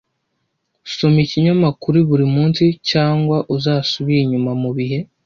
Soma ikinyamakuru buri munsi, cyangwa uzasubira inyuma mubihe.